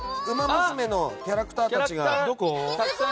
ウマ娘のキャラクターたちが。